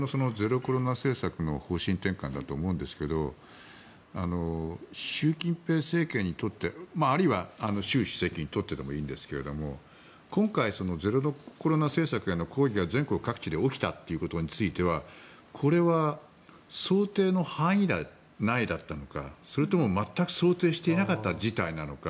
事実上のゼロコロナ政策の方針転換だと思うんですけど習近平政権にとってあるいは習主席にとってでもいいんですが今回、ゼロコロナ政策への抗議が全国各地で起きたことについてはこれは、想定の範囲内だったのかそれとも全く想定していなかった事態なのか